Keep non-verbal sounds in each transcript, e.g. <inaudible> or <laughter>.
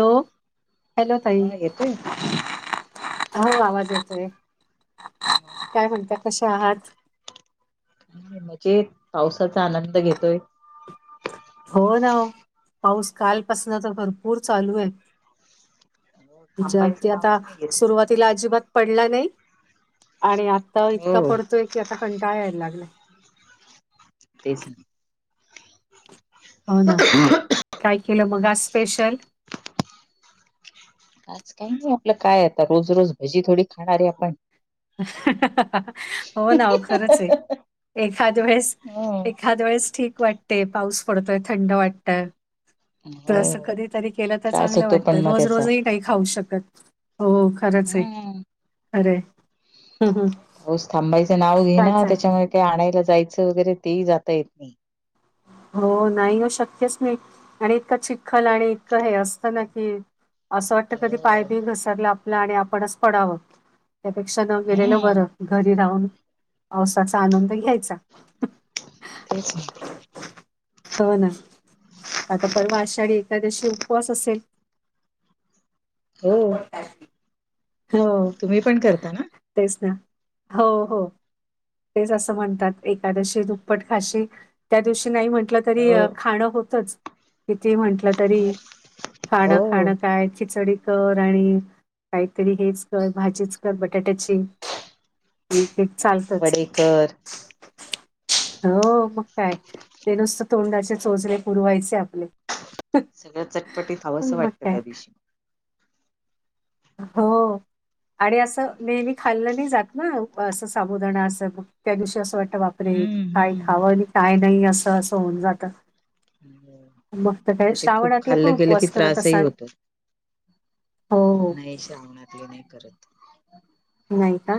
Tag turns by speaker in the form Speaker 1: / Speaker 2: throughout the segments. Speaker 1: Hello hello ताई
Speaker 2: हा येतोय
Speaker 1: हो आवाज येतोय. काय म्हणता कशे आहात?
Speaker 2: हाय मजेत पावसाचा आनंद घेतोय.
Speaker 1: हो न पाऊस कालपासन तर भरपूर चालू आहे.
Speaker 2: थांबायचं
Speaker 1: <unintelligible> आता
Speaker 2: नावच नाही घेतय.
Speaker 1: सुरुवात तिला अजिबात पडला नाही आणि आता इतका
Speaker 2: हो
Speaker 1: पडतोय, की आता कंटाळा यायला लागलाय.
Speaker 2: तेच न
Speaker 1: हो न, काय केलं मग आज स्पेशल?
Speaker 2: आज काही नाही आपलं काय आता रोज रोज भजे थोडी खाणार आहे आपण.
Speaker 1: <inaudible> हो ना ओ खरंच आहे. एखाद वेळेस
Speaker 2: हो
Speaker 1: एखाद वेळेस ठीक वाटते, पाऊस पडतोय थंड वाटत. तर असं कधीतरी केलं तर
Speaker 2: त्रास
Speaker 1: चांगलं
Speaker 2: होतो पण
Speaker 1: वाटतं
Speaker 2: मग
Speaker 1: रोज
Speaker 2: त्याचा
Speaker 1: रोजही काही खाऊ शकत. हो खरंच आहे,
Speaker 2: हम्म.
Speaker 1: खरं आहे हम्म हम्म
Speaker 2: पाऊस थांबाईचं नाव घेई
Speaker 1: काय
Speaker 2: ना
Speaker 1: चाल
Speaker 2: त्याच्यामुळे काही आणायला जायचं वगैरे तेही जाता येत नाही.
Speaker 1: हो नाही न शक्यच नाही आणि इतकं चिखल आणि इतकं हे असतं न की असं वाटतं कधी पाय
Speaker 2: हो
Speaker 1: बी घसरला आपला आणि आपणच पडावं. त्यापेक्षा न गेलेलं
Speaker 2: हम्म
Speaker 1: बरं घरी राहून पावसाचा आनंद घ्यायचा.
Speaker 2: तेच न
Speaker 1: हो न आता परवा आषाढी एखाद्याशी उपवास असेल?
Speaker 2: हो
Speaker 1: हो
Speaker 2: तुम्ही पण करता ना.
Speaker 1: तेच न हो हो तेच असं म्हणतात एकादशी दुप्पट खाशी त्या दिवशी नाही म्हंटलं तरी
Speaker 2: हो
Speaker 1: खाणं होतच, किती म्हंटलं तरी
Speaker 2: हो
Speaker 1: खाणं खाणं काय खिचडी कर आणि तरी हेच कर भाजीच कर बटाट्याची हम्म हम्म चालतच.
Speaker 2: वडेकर
Speaker 1: हो मग काय ते नुसत तोंडाचे चोचले पुरवायचे आप
Speaker 2: सगळ चटपटीत हवस
Speaker 1: मग
Speaker 2: वाटतं
Speaker 1: काय
Speaker 2: त्या दिवशी.
Speaker 1: हो आणि असं नेहमी खाल्लं नाही जात न, असं साबूदाणा असं मंग त्या दिवशी असं वाट बापरे!
Speaker 2: हम्म
Speaker 1: काय खावं
Speaker 2: हम्म
Speaker 1: आणि काय नाही अस अस होऊन जात. बघते काय
Speaker 2: पण ते खूप
Speaker 1: श्रावणातले पण
Speaker 2: खाल्लं गेलं की
Speaker 1: उपवास करत
Speaker 2: त्रासही
Speaker 1: असाल?
Speaker 2: होतो
Speaker 1: हो
Speaker 2: नाही, श्रावणातले नाही करत.
Speaker 1: नाही का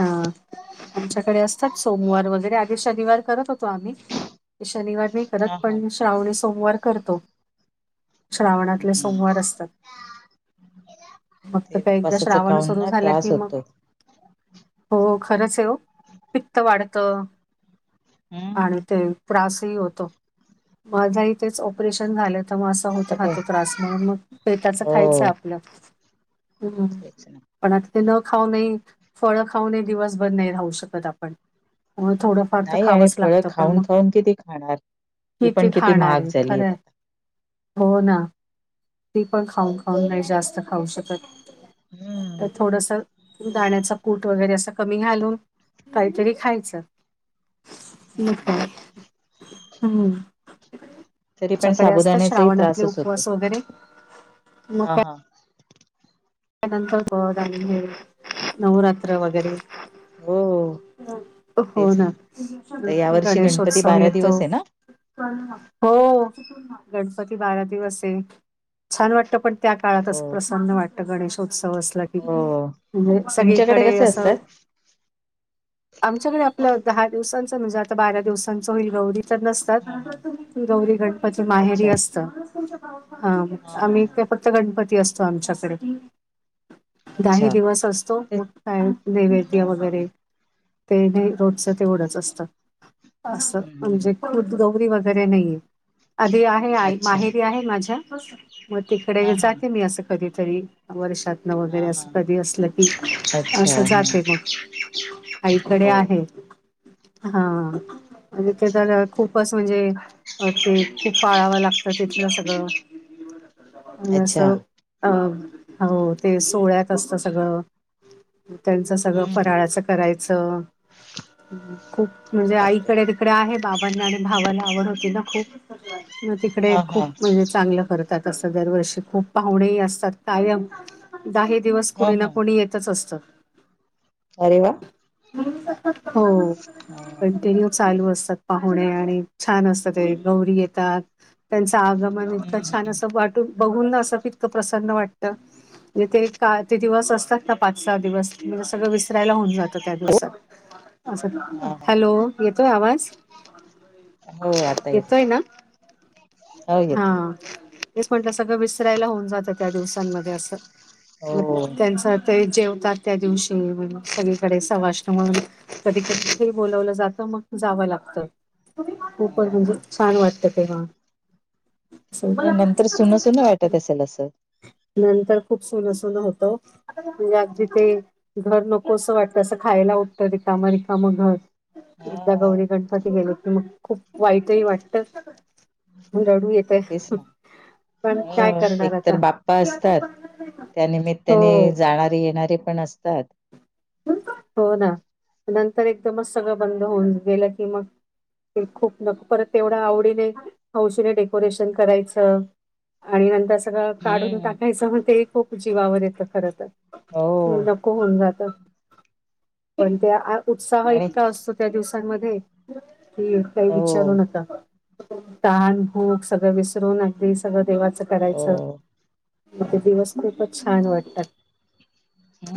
Speaker 1: हा आमच्याकडे असतात सोमवार वगैरे आधी शनिवार करत होतो आम्ही शनिवार नाही करत,
Speaker 2: हा हा
Speaker 1: पण श्रावणी सोमवार करतो. श्रावणातले
Speaker 2: हम्म
Speaker 1: सोमवार असतात. मगत
Speaker 2: ते
Speaker 1: का एकदा
Speaker 2: उपासाच
Speaker 1: श्रावण
Speaker 2: खाऊन
Speaker 1: सुरू
Speaker 2: ना
Speaker 1: झालं कि
Speaker 2: त्रास
Speaker 1: मग
Speaker 2: होतो
Speaker 1: हो खरंच आहे ओ पित्त वाढत आणि
Speaker 2: हम्म
Speaker 1: ते त्रासही होतो माझही तेच ऑपरेशन झाल त मग असं होत
Speaker 2: आता काय
Speaker 1: राहतो त्रास म्हणून मग पेताच
Speaker 2: हो
Speaker 1: खायचं आपल. हम्म
Speaker 2: तेच ना
Speaker 1: पण आता ते न खाऊ न ही फळ खाऊन ही दिवस भर नाही राहू शकत आपण. होय थोडंफार तर
Speaker 2: नाही आणि
Speaker 1: खावंच
Speaker 2: फळ
Speaker 1: लागतं पण
Speaker 2: खाऊन
Speaker 1: मग
Speaker 2: खाऊन किती खाणार ती
Speaker 1: किती
Speaker 2: पण
Speaker 1: खाणार
Speaker 2: महाग
Speaker 1: आहे
Speaker 2: झाली आहेत
Speaker 1: खरंय
Speaker 2: आता
Speaker 1: हो न ती पण खाऊन खाऊन नाही जास्त खाऊ शकत.
Speaker 2: हम्म
Speaker 1: तर थोडस दाण्याचं कूट कुट वगैरे असं कमी घालून काहीतरी खायचं. मी
Speaker 2: हम्म
Speaker 1: पण हम्म
Speaker 2: तरी पण
Speaker 1: आमच्याकडे असतात
Speaker 2: साबुदाण्याचाही
Speaker 1: श्रावणातले
Speaker 2: त्रासच होतो
Speaker 1: उपवास वगैरे मग काय?
Speaker 2: हा हा
Speaker 1: त्यानंतर <unintelligible> नवरात्र वगैरे
Speaker 2: हो
Speaker 1: हो ना
Speaker 2: आता या वर्षी गणपती
Speaker 1: गणेशोत्सव
Speaker 2: बारा
Speaker 1: येतो
Speaker 2: दिवस आहे ना
Speaker 1: हो गणपती बारा दिवस आहे छान वाटत पण त्या काळात
Speaker 2: हो
Speaker 1: असं प्रसन्न वाटतं गणेशोत्सव अस ला की
Speaker 2: हो
Speaker 1: म्हणजे
Speaker 2: तुमच्याकडे
Speaker 1: सगळीकडे
Speaker 2: कसे
Speaker 1: असं
Speaker 2: असतात
Speaker 1: आमच्याकडे आपलं दहा दिवसांचं म्हणजे आता बारा दिवसांचं होईल गौरी तर नस तात
Speaker 2: हा हा
Speaker 1: गौरी गणपती माहेरी
Speaker 2: अच्छा
Speaker 1: असतं हा
Speaker 2: हा
Speaker 1: आम्ही
Speaker 2: हा.
Speaker 1: इथे फक्त चा गणपती असतो आमच्याकडे दाही
Speaker 2: अच्छा.
Speaker 1: दिवस असतो
Speaker 2: ते
Speaker 1: मग काय
Speaker 2: हा
Speaker 1: नैवेद्य
Speaker 2: हा
Speaker 1: वगैरे
Speaker 2: हम्म
Speaker 1: ते नही रोजचं तेवढंच असतं अस
Speaker 2: हम्म हम्म
Speaker 1: म्हणजे गौरी वगैरे नाहीये आधी आ हे
Speaker 2: अच्छा
Speaker 1: माहेरी आहे माझ्या मग
Speaker 2: हा
Speaker 1: तिकडे
Speaker 2: हा
Speaker 1: जाते मी अस कधीतरी वर्षात तणं वगैरे
Speaker 2: हा हा.
Speaker 1: असं कधी असलं की
Speaker 2: अच्छा हा
Speaker 1: असं जाते मग आईकडे
Speaker 2: हो
Speaker 1: आहे हा आणि
Speaker 2: अच्छा
Speaker 1: तिकलं खूप असं म्हणजे ते खूप पाळावं लागतं तिथलं सगळं आणि
Speaker 2: अच्छा
Speaker 1: असं अ हो ते सोळ्यात असत सगळं त्यांचं सगळं
Speaker 2: हम्म
Speaker 1: फराळाचं करायचं खूप
Speaker 2: अरे
Speaker 1: म्हणजे
Speaker 2: बापरे
Speaker 1: आईकडे तिकडे आहे बाबांना आणि भावाला आवड होती ना खूप म तिकडे
Speaker 2: हा हा
Speaker 1: खूप म्हणजे चांगलं करतात असं दरवर्षी खूप पाहुणेही असतात कायम दाही दिवस
Speaker 2: हा
Speaker 1: कुणी ना
Speaker 2: हा.
Speaker 1: कुणी येतच असतं.
Speaker 2: अरे वा.
Speaker 1: हो
Speaker 2: हा हम्म
Speaker 1: कंटिन्यू चालू असतात. पाहुणे आणि छान असतं ते गौरी येतात त्यांचं आगमन इतकं छान
Speaker 2: हम्म
Speaker 1: असं वाट बघून ना असं इतकं प्रसन्न वाट म्हजे ते का ते दिवस असतात ना पाच सहा दिवस सगळं विसरायला होऊन जातं त्या दिवसात अस
Speaker 2: हा हा.
Speaker 1: हॅलो येतोय आवाज?
Speaker 2: हो आता येत
Speaker 1: येतोय ना
Speaker 2: हो
Speaker 1: हा
Speaker 2: येतो येतो
Speaker 1: तेच म्हटलं सगळं विसरायला होऊन जातं त्या दिवसांमध्ये असं मग
Speaker 2: हो.
Speaker 1: त्यांचं ते जेवतात त्या दिवशी सगळीकडे सवाष्ण म्हणून कधी कधी ते बोलावलं जातं मग जावं लागतं. खूपच म्हणजे
Speaker 2: हा.
Speaker 1: छान वाटतं तेव्हा असं.
Speaker 2: नंतर सुनं सुनं वाटत असंल असं
Speaker 1: नंतर खूप सुनं सुनं होतं. म्हणजे अगदी ते घर नको असं वाटतं असं खायला उठतं रिकामं रिकामं घर एकदा
Speaker 2: हा
Speaker 1: गौरी गणपती गेले कि मग खूप वाईटही वाटतं. रडू येतय
Speaker 2: तेच ना
Speaker 1: पण काय करणार आता?
Speaker 2: प्पा असतात
Speaker 1: हो
Speaker 2: त्यानिमित्ताने जाणारे येणारे पण असतात.
Speaker 1: हो ना नंतर एकदमच सगळं बंद होऊन गेलं की मग ते खूप नको परत एवढं आवडीने हौशीने डेकोरेशन करायचं आणि नंतर सगळं काढून
Speaker 2: हम्म.
Speaker 1: टाकायचं मग ते खूप जीवावर येतं खरं तर
Speaker 2: हो
Speaker 1: नको होऊन जातं पण त्या आ उत्साह
Speaker 2: आणि
Speaker 1: इतका असतो. त्या दिवसांमध्ये की काही
Speaker 2: हो
Speaker 1: विचारू नका. तहान, भूक सगळं विसरून, अगदी सगळं देवाचं
Speaker 2: हो
Speaker 1: करायचं. ते दिवस खूपच छान वाटतात.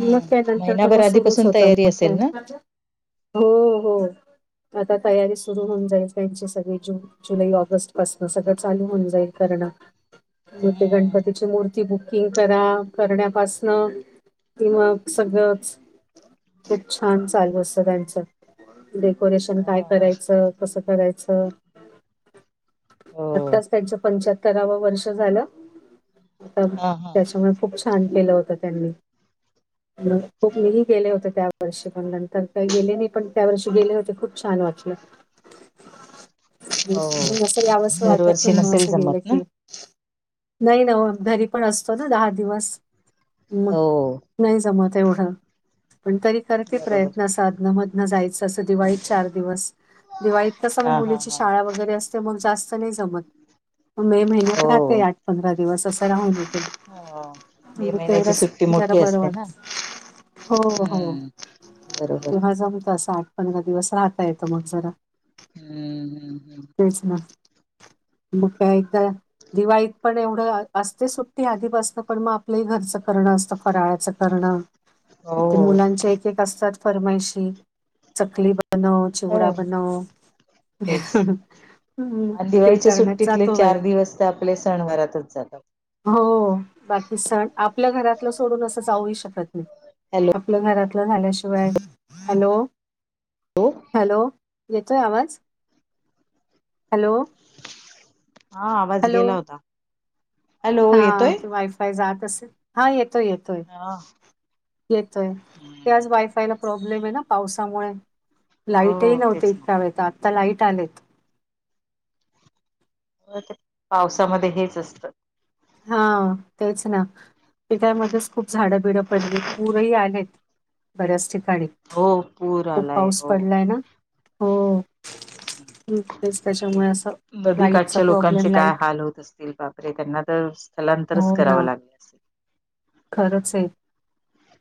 Speaker 1: मग त्यानंतर तर
Speaker 2: महिनाभर
Speaker 1: मग सुरुच
Speaker 2: आधीपासून
Speaker 1: होत
Speaker 2: तयारी
Speaker 1: मग
Speaker 2: असेल
Speaker 1: काय.
Speaker 2: ना
Speaker 1: हो हो. आता तयारी सुरु होऊन जाईल, त्यांची सगळी जून, जुलै, ऑगस्ट पासन सगळं चालू होऊन जाईल करण. ते गणपती
Speaker 2: हम्म
Speaker 1: ते बुकिंग करा. करण्यापासन मग सगळंच खूप छान चालू असत त्यांचं. डेकोरेशन काय
Speaker 2: हा
Speaker 1: करायचं? कसं करायचं?
Speaker 2: हो
Speaker 1: आत्ताच त्यांचं पंच्याहत्तरावं वर्ष झालं. आता
Speaker 2: हा हा
Speaker 1: त्याच्यामुळे खूप छान केलं होत. त्यांनी खूप नवीन केले होते त्यात वर्षी पल्यांतर काही गेले नाही, पण त्या वर्षी गेले होते, खूप छान वाटल.
Speaker 2: हो
Speaker 1: पण अस यावस वाटतच
Speaker 2: दरवर्षी
Speaker 1: नाही
Speaker 2: नसेल
Speaker 1: असं
Speaker 2: जमत
Speaker 1: गेलं
Speaker 2: ना
Speaker 1: की नाही ना ओ. घरी पण असतो ना, दहा दिवस म
Speaker 2: हो
Speaker 1: नाही जमत एवढं, पण तरी करते
Speaker 2: बरोबर
Speaker 1: प्रयत्न असं अदन मदन जायचं असं दिवाळीत चार दिवस. दिवाळीत कस मग
Speaker 2: हा हा
Speaker 1: मुलीची
Speaker 2: हा
Speaker 1: शाळा वगैरे अस ते मग जास्त नाही जमत. मे महिन्यात
Speaker 2: हो
Speaker 1: राहते आठ, पंधरा दिवस असं राहून येते.
Speaker 2: हो मे
Speaker 1: म्हणजे
Speaker 2: महिन्याची
Speaker 1: तेवढंच
Speaker 2: सुट्टी
Speaker 1: जरा
Speaker 2: मोठी
Speaker 1: बरं
Speaker 2: असते ना
Speaker 1: वाटत. हो हो,
Speaker 2: हम्म बरोबर
Speaker 1: तेव्हा जमत अस आठ पंधरा दिवस राहता येत, मग जरा
Speaker 2: हम्म हम्
Speaker 1: तेच ना. मग काय तवा, दिवाळीत पण एवढं असते सुट्टी आधीपासनं, पण मग आपलंही घरचं करणं असतं. फराळाचं करणं
Speaker 2: हो
Speaker 1: इथं मुलांच्या एक एक असतात फरमायशी, चकली बनव चिवडा
Speaker 2: ह
Speaker 1: बनव
Speaker 2: तेच
Speaker 1: हम्म, ते करण्यात जातो वेळ.
Speaker 2: ते आपले सणवारातच जातात.
Speaker 1: हो, बाकी सण. आपल्या घरातलं सोडून असं जाऊही शकत नाही.
Speaker 2: हॅलो
Speaker 1: आपलं घरातलं झाल्याशिवाय. हॅलो.
Speaker 2: <unintelligible>
Speaker 1: हॅलो, येतोय आवाज? हॅलो.
Speaker 2: हा, आवाज
Speaker 1: हॅलो,
Speaker 2: गेला होता. हॅलो, येतोय?
Speaker 1: <unintelligible> हा, येतोय येतोय
Speaker 2: हा
Speaker 1: येतोय. त्याचं वायफायला प्रॉब्लेम आहे ना, पावसामुळे.
Speaker 2: हो
Speaker 1: लाईटही नव्हते
Speaker 2: तेच ना
Speaker 1: इतका वेळेेत, आता लाईट आलेत.
Speaker 2: पावसामध्ये हेच असतं.
Speaker 1: हा, तेच ना. पिकयमध्येच खूप झाडं बिडं पडली, पूरही आलेत. बऱ्याच ठिकाणी
Speaker 2: हो पूर
Speaker 1: खूप
Speaker 2: आलाय
Speaker 1: पाऊस
Speaker 2: हो
Speaker 1: पडलाय ना. हो. हं, तेच त्याच्यामुळे असं लाईटचा
Speaker 2: नदीकाठच्या लोकांचे
Speaker 1: प्रॉब्लेम
Speaker 2: काय
Speaker 1: लाईट
Speaker 2: हाल होत असतील त्यांना तर स्थलांतरच करावं लाग
Speaker 1: खरंचे.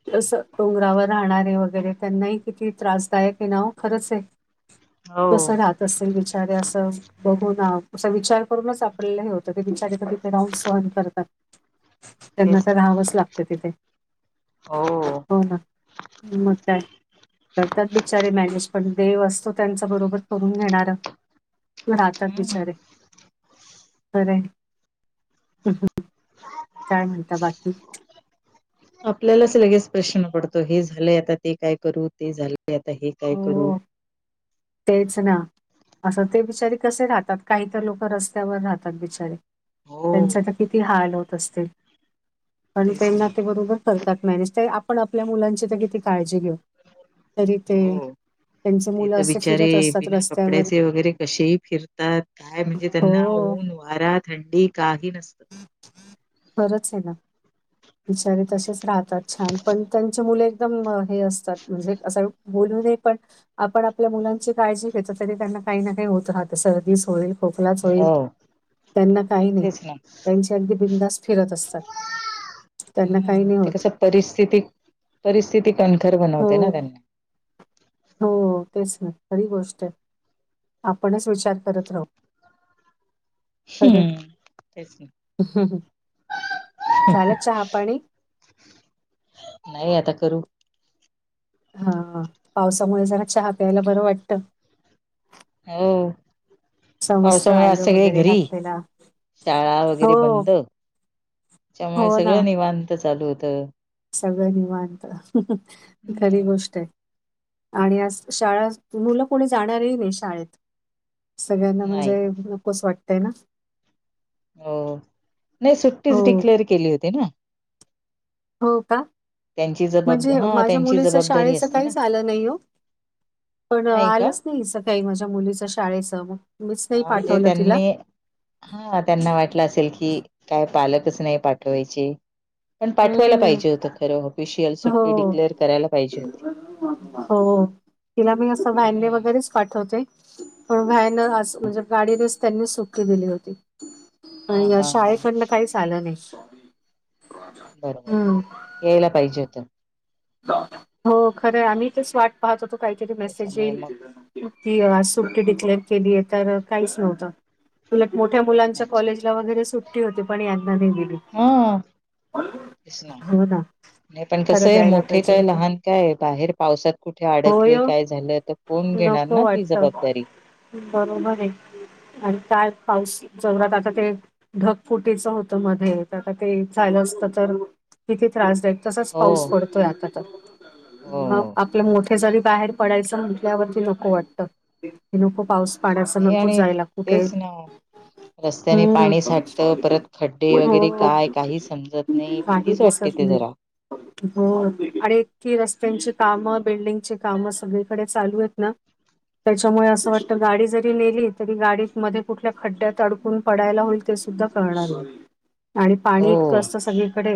Speaker 1: <unintelligible> डोंगरावर राहणारे वगैरे, त्यांनाही किती त्रासदायक आहे ना वो, खरंचे. कस
Speaker 2: हो
Speaker 1: राहत असेल बिचारे असं? बघू ना, असा विचार करूनच आपल्याला हे होतं. ते बिचारे तर तिथे राहून सहन करतात. त्यांना
Speaker 2: तेच
Speaker 1: तर
Speaker 2: ना
Speaker 1: राहावंच लागत तिथे. हो ना. मग काय करतात बिचारे मॅनेज पण देव असतो त्यांच बरोबर करून घेणारं. राहतात
Speaker 2: हम्म
Speaker 1: बिचारे बरंय काय म्हणता बाकी?
Speaker 2: आपल्यालाच लगेच प्रश्न पडतो हे झालंय आता ते काय करू ते झालंय आता हे काय करू
Speaker 1: हो तेच ना असं ते बिचारे कसे राहतात काही तर लोक रस्त्यावर राहतात बिचारे
Speaker 2: हो
Speaker 1: त्यांचे तर किती हाल होत असतील पण
Speaker 2: तेच
Speaker 1: त्यांना
Speaker 2: नाही
Speaker 1: ते बरोबर करतात मॅनेज तर आपण आपल्या मुलांची तर किती काळजी घेऊ तरी ते
Speaker 2: हो
Speaker 1: त्यांचे
Speaker 2: ते
Speaker 1: मुलं
Speaker 2: तर
Speaker 1: असे
Speaker 2: बिचारे
Speaker 1: फिरत असतात
Speaker 2: बिना
Speaker 1: रस्त्यावर.
Speaker 2: कपड्याचे वगैरे कसे फिरतात काय म्हणजे त्यांना
Speaker 1: हो,
Speaker 2: ऊन वारा थंडी काही नसतं.
Speaker 1: खरंच आहे ना बिचारे तसेच राहतात छान पण त्यांचे मुले एकदम हे असतात. म्हणजे असं बोलू नये पण आपण आपल्या मुलांची काळजी घेतो तरी त्यांना काही ना काही होत राहतं सर्दीच होईल खोकलाच होईल
Speaker 2: हो
Speaker 1: त्यांना काही नाही
Speaker 2: तेच ना
Speaker 1: त्यांचे अगदी बिंदास फिरत असतात त्यांना काही
Speaker 2: हम्म
Speaker 1: नाही
Speaker 2: ते
Speaker 1: होत
Speaker 2: कसं परिस्थिती परिस्थिती कणखर
Speaker 1: हो,
Speaker 2: बनवते ना त्यांना
Speaker 1: हो तेच ना खरी गोष्ट आहे आपणच विचार करत राहू खरं
Speaker 2: हम्म तेच ना
Speaker 1: आहे. झालं चहा-पाणी?
Speaker 2: नाही आता करू
Speaker 1: हां पावसामुळे जरा चहा प्यायला बरं वाटतं
Speaker 2: हो
Speaker 1: समस्त
Speaker 2: पावसामुळे आज
Speaker 1: आलं
Speaker 2: सगळे
Speaker 1: वगैरे
Speaker 2: घरी
Speaker 1: घातलेला.
Speaker 2: शाळा
Speaker 1: हो,
Speaker 2: वगैरे बंद त्याच्यामुळे
Speaker 1: हो ना.
Speaker 2: सगळं निवांत चालू होतं
Speaker 1: सगळं निवांत खरी
Speaker 2: हम्म
Speaker 1: गोष्ट आहे आणि आ शाळा मुलं कोणी जाणारही नाही शाळेत सगळ्यांना
Speaker 2: नाही
Speaker 1: म्हणजे नको अस वाटतंय ना
Speaker 2: हो नाही सुट्टीच
Speaker 1: हो.
Speaker 2: डिक्लेअर केली होती ना
Speaker 1: हो का
Speaker 2: त्यांची
Speaker 1: म्हणजे
Speaker 2: जबाबदारी हा
Speaker 1: माझ्या
Speaker 2: त्यांची
Speaker 1: मुलीचं
Speaker 2: जबाबदारी
Speaker 1: शाळेचं
Speaker 2: असते ना
Speaker 1: काहीच आलं नाही हो पण
Speaker 2: नाही का
Speaker 1: आलंच नाही अस काही माझ्या मुलीच शाळेच मग मीच नाही पाठवलं तिला
Speaker 2: हां त्यांना वाटलं असेल की काय पालकच नाही पाठवायचे पण पाठवायला
Speaker 1: हम्म
Speaker 2: पाहिजे होतं खरं ऑफिशियल
Speaker 1: हो
Speaker 2: सुट्टी डिक्लेअर करायला पाहिजे होत
Speaker 1: हो तिला मी असं वॅनने
Speaker 2: हम्म
Speaker 1: वगैरे पाठवते पण वॅन असं म्हणजे गाडीनेच त्यांनी सुट्टी दिली होती
Speaker 2: हा
Speaker 1: आणि या
Speaker 2: हा हा
Speaker 1: शाळेकडंन काहीच आलं नाही
Speaker 2: बरं
Speaker 1: हम्म
Speaker 2: बरं यायला पाहिजे होतं
Speaker 1: हो खरं आम्ही तेच वाट पाहत होतो काहीतरी मेसेज
Speaker 2: त्याच्यामुळे मग
Speaker 1: येईल ती आज सुट्टी डिक्लेअर केली आहे तर काहीच नव्हतं उलट मोठ्या मुलांच्या
Speaker 2: अच्छा
Speaker 1: कॉलेजला वगैरे सुट्टी होती पण यांना नाही दिली
Speaker 2: हा तेच ना नाही पण कसय
Speaker 1: खरं
Speaker 2: आहे
Speaker 1: द्यायला
Speaker 2: मोठ मोठे
Speaker 1: पाहिजे
Speaker 2: काय
Speaker 1: होत.
Speaker 2: लहान काय बाहेर पावसात कुठे
Speaker 1: होय
Speaker 2: अडकले
Speaker 1: ओ
Speaker 2: काय झालं तर कोण घेणार
Speaker 1: नको
Speaker 2: ना ती
Speaker 1: वाटतं.
Speaker 2: जबाबदारी
Speaker 1: बरोबर आहे आणि काय पाऊस जोरात आता ते ढगफुटीच होतं मध्ये, आता ते झालं असतं तर किती त्रासदायक तसाच
Speaker 2: हो
Speaker 1: पाऊस पडतोय आता तर
Speaker 2: हो
Speaker 1: मग आपले मोठे जरी बाहेर पडायचं म्हटल्यावरती नको वाटत, नको पाऊस पाण्याचं
Speaker 2: हे
Speaker 1: नको
Speaker 2: आणि
Speaker 1: जायला कुठे
Speaker 2: तेच ना रस्त्याने
Speaker 1: हम्म
Speaker 2: पाणी साठत, परत खड्डे वगैरे
Speaker 1: हो
Speaker 2: काय, काही समजत नाही,
Speaker 1: काही
Speaker 2: भीतीच वाटते.
Speaker 1: दिसत
Speaker 2: तिथे
Speaker 1: नाही.
Speaker 2: जरा
Speaker 1: हो आणि ती रस्त्यांची कामं, बिल्डिंगची कामं सगळीकडे चालू येत ना तच्यामुळे असं वाटतं, गाडी जरी नेली तरी गाडीत मध्ये कुठल्या खड्ड्यात अडकून पडायला होईल. ते सुद्धा कळणार <unintelligible> सॉरी आणि पाणी
Speaker 2: हो
Speaker 1: इतकं असतं सगळीकडे,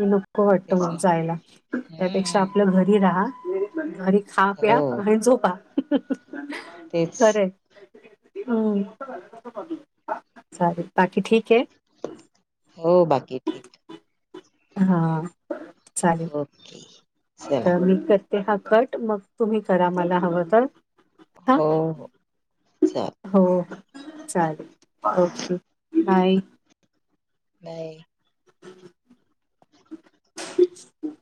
Speaker 1: नको वाटतं
Speaker 2: तेच
Speaker 1: मग
Speaker 2: ना
Speaker 1: जायला. त्यापेक्षा
Speaker 2: हम्म
Speaker 1: आपलं घरी राहा, घरी खा,
Speaker 2: हो
Speaker 1: प्या आणि झोपा.
Speaker 2: तेच
Speaker 1: खरंय हम्म चालेल बाकी ठिक्ये
Speaker 2: हो, बाकी ठीक
Speaker 1: हा चालेल.
Speaker 2: ओके. चला
Speaker 1: तर मी करते हा कट, मग तुम्ही करा मला हवं तर हा
Speaker 2: हो हो <unintelligible>
Speaker 1: हो हो, चालेल, ओके, बाय.
Speaker 2: नाई